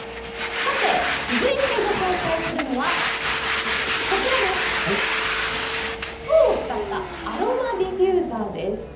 さて、続いてご紹介するのは籐を使ったアロマディフューザーです。